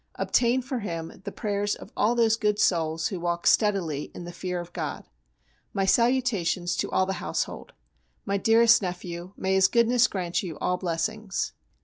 Obtain for him the prayers of all those good souls who walk steadily in the fear of God. My salutations to all the household. My dearest nephew, may His goodness grant you all blessings.